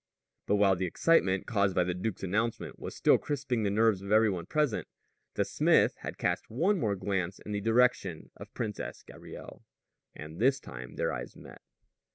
But while the excitement caused by the duke's announcement was still crisping the nerves of every one present, the smith had cast one more glance in the direction of the Princess Gabrielle. And this time their eyes met.